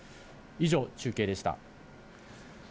以上、中継でした。